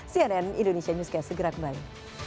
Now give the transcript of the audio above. cnn indonesia newscast segera kembali